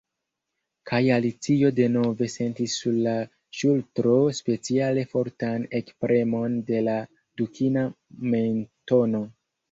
Kaj Alicio denove sentis sur la ŝultro speciale fortan ekpremon de la dukina mentono.